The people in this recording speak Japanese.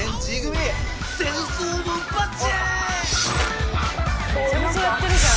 めちゃめちゃやってるじゃん演技。